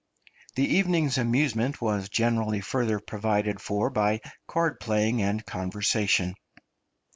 The evening's amusement was generally further provided for by card playing and conversation.